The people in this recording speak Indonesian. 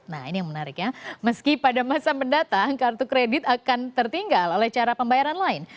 nah ini yang menarik ya meski pada masa mendatang kartu kredit akan tertinggal oleh cara pembayaran lain